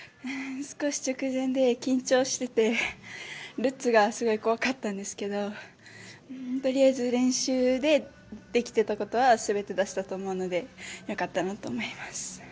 少し直前で緊張しててルッツがすごい怖かったんですけどとりあえず練習でできていたことは全て出したと思うのでよかったなと思います。